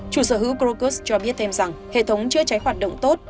chủ sở hữu crocus cho biết thêm rằng hệ thống chưa cháy hoạt động tốt